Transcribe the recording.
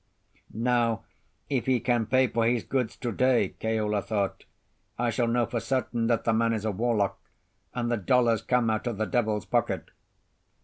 "Now if he can pay for his goods to day," Keola thought, "I shall know for certain that the man is a warlock, and the dollars come out of the Devil's pocket."